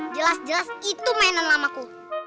jelas jelas itu mainan lamaku